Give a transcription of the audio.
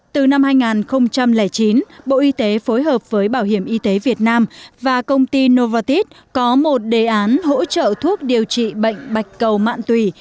từ năm hai nghìn chín bộ y tế phối hợp với bảo hiểm y tế việt nam và công ty novatis có một đề án hỗ trợ thuốc điều trị bệnh bạch cầu mạng tùy